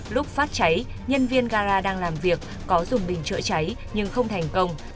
lúc phát cháy nhân viên gara đang làm việc có dùng bình chữa cháy nhưng không thành công